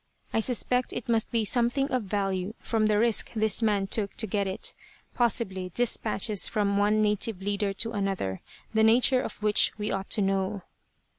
I suspect it must be something of value, from the risk this man took to get it; possibly dispatches from one native leader to another, the nature of which we ought to know."